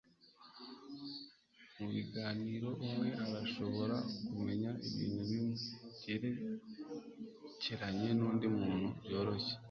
Mubiganiro umwe arashobora kumenya ibintu bimwe byerekeranye nundi muntu byoroshye